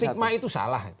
stigma itu salah